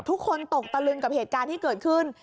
ทุกคนตกตะลึงกับเหตุการณ์ที่เกิดขึ้น